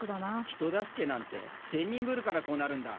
「人助けなんて善人ぶるからこうなるんだ」。